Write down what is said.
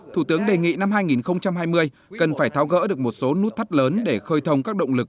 thủ tướng đề nghị năm hai nghìn hai mươi cần phải tháo gỡ được một số nút thắt lớn để khơi thông các động lực